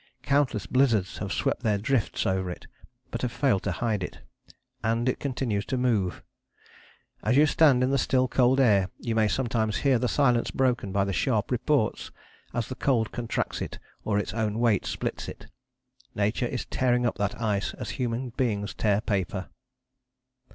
Countless blizzards have swept their drifts over it, but have failed to hide it. And it continues to move. As you stand in the still cold air you may sometimes hear the silence broken by the sharp reports as the cold contracts it or its own weight splits it. Nature is tearing up that ice as human beings tear paper.